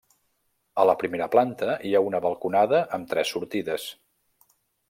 A la primera planta hi ha una balconada amb tres sortides.